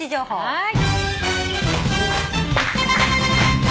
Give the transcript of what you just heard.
はい。